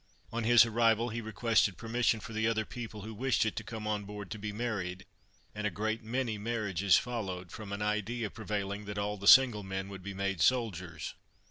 On his arrival, he requested permission for the other people who wished it, to come on board to be married, and a great many marriages followed, from an idea prevailing that all the single men would be made soldiers.